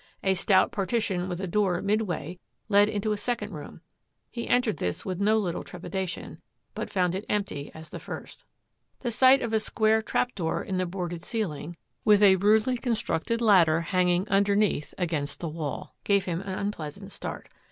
A stout partition with a door midway led into a second room. He entered this with no little trepidation, but found it empty as the first. The sight of a square trap door in the boarded ceiling, with a rudely constructed ladder hanging underneath against the wall, gave him an unpleas ant start.